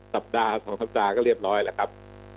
สัปดาห์๒สัปดาห์ก็เรียบร้อยแล้วครับ